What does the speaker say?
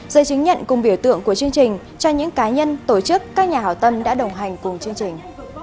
dây chứng nhận cùng biểu tượng của chương trình cho những cá nhân tổ chức các nhà hảo tâm đã đồng hành cùng chương trình